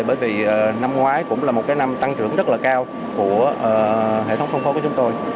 bởi vì năm ngoái cũng là một năm tăng trưởng rất là cao của hệ thống thông phố của chúng tôi